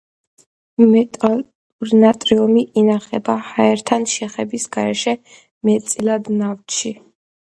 მეტალური ნატრიუმი ინახება ჰაერთან შეხების გარეშე, მეტწილად ნავთში.